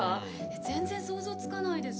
全然想像つかないです。